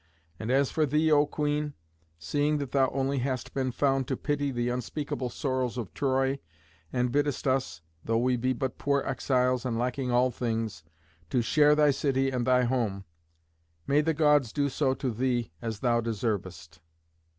And as for thee, O Queen, seeing that thou only hast been found to pity the unspeakable sorrows of Troy, and biddest us, though we be but poor exiles and lacking all things, to share thy city and thy home, may the Gods do so to thee as thou deservest.